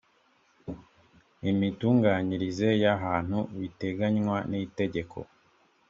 imitunganyirize y ahantu biteganywa nitegeko